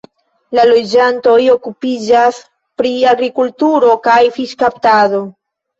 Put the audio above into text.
La loĝantoj okupiĝas pri agrikulturo kaj fiŝkaptado.